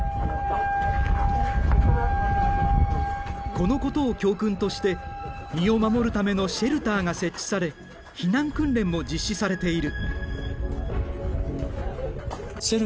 このことを教訓として身を守るためのシェルターが設置され避難訓練も実施されている。